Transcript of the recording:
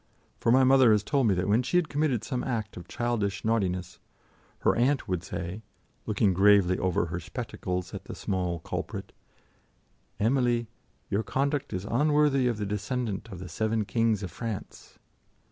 For my mother has told me that when she had committed some act of childish naughtiness, her aunt would say, looking gravely over her spectacles at the small culprit, "Emily, your conduct is unworthy of the descendant of the seven kings of France."